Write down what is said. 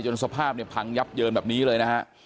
สภาพเนี่ยพังยับเยินแบบนี้เลยนะฮะ